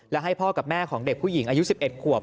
และให้พ่อกับแม่ของเด็กผู้หญิงอายุ๑๑ขวบ